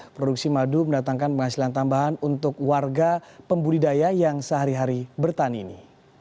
produksi madu mendatangkan penghasilan tambahan untuk warga pembudidaya yang sehari hari bertani ini